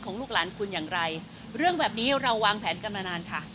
ลูกหลานคุณอย่างไรเรื่องแบบนี้เราวางแผนกันมานานค่ะ